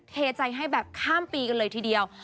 เทใจให้แบบข้ามปีกันเลยทีเดียว